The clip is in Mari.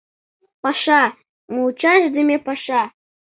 Паша, мучашдыме паша...